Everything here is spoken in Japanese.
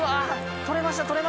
取れました！